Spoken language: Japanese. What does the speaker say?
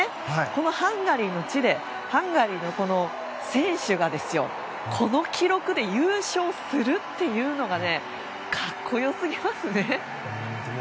このハンガリーの地でハンガリーの選手がこの記録で優勝するっていうのが格好良すぎますね。